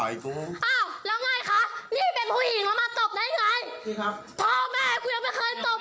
อ้าวแล้วไงคะนิเป็นผู้หญิงแล้วมาตบได้ไง